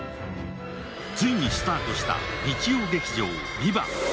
ついにスタートした日曜劇場「ＶＩＶＡＮＴ」。